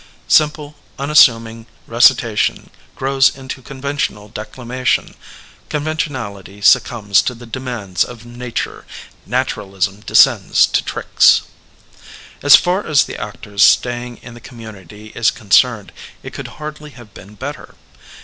Simple, unas suming recitation grows into conventional declama tion; conventionality succumbs to the demands of nature; naturalism descends to tricks. As far as the actor's standing in the community is concerned it could hardly have been better.